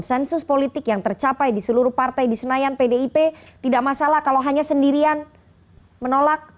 dan sensus politik yang tercapai di seluruh partai di senayan pdip tidak masalah kalau hanya sendirian menolak